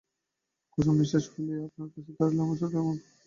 কুসুম নিশ্বাস ফেলিয়া বলিল, আপনার কাছে দাড়ালে আমার শরীর এমন করে কেন ছোটবাবু?